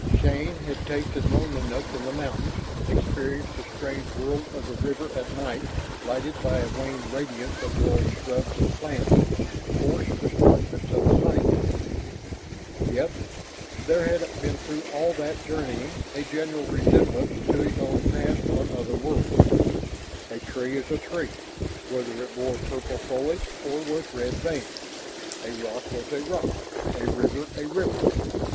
Shann had tasted loneliness in the mountains, experienced the strange world of the river at night lighted by the wan radiance of glowing shrubs and plants, forced the starkness of the heights. Yet there had been through all that journeying a general resemblance to his own past on other worlds. A tree was a tree, whether it bore purple foliage or was red veined. A rock was a rock, a river a river.